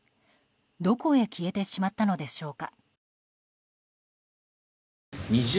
どこへ消えてしまったのでしょうか。